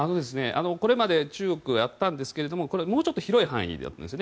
これまで中国にやったんですがこれはもうちょっと広い範囲だったんですよね。